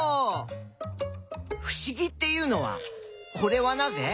ふしぎっていうのは「これはなぜ？」